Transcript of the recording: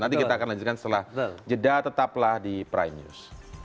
nanti kita akan lanjutkan setelah jeda tetaplah di prime news